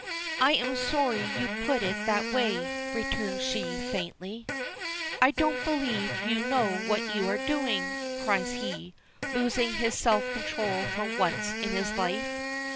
"I am sorry you put it that way," returns she, faintly. "I don't believe you know what you are doing," cries he, losing his self control for once in his life.